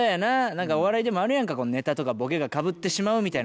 何かお笑いでもあるやんかネタとかボケがかぶってしまうみたいなことがね。